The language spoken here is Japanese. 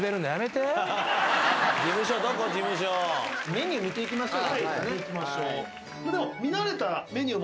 メニュー見ていきましょうか。